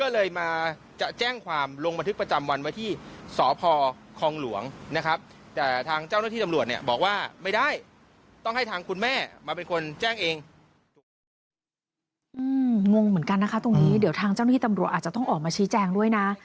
เดี๋ยวทางเจ้าหน้าที่ตำรวจอาจจะต้องออกมาชี้แจ้งด้วยนะ